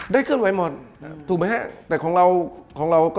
ได้เคลื่อนไหวหมดถูกมั้ยฮะแต่ของเรา